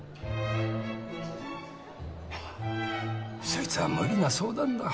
そいつは無理な相談だ。